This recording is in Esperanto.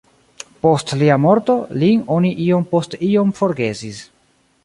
Post lia morto, lin oni iom post iom forgesis.